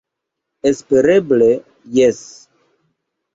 Espereble jes.